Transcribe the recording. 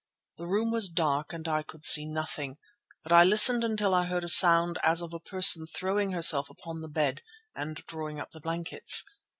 The room was dark and I could see nothing, but I listened until I heard a sound as of a person throwing herself upon the bed and drawing up the blankets.